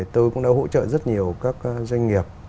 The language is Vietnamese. tôi cũng đã hỗ trợ rất nhiều các doanh nghiệp